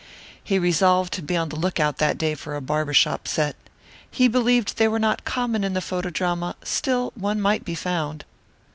He resolved to be on the lookout that day for a barber shop set. He believed they were not common in the photodrama, still one might be found.